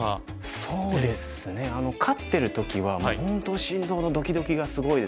そうですね勝ってる時はもう本当心臓のドキドキがすごいですね。